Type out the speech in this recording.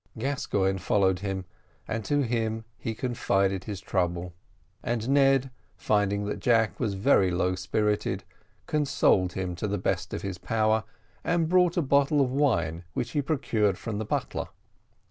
Gascoigne followed him, and to him he confided his trouble; and Ned, finding that Jack was very low spirited, consoled him to the best of his power, and brought a bottle of wine which he procured from the butler.